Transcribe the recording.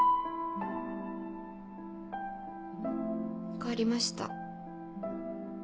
分かりました。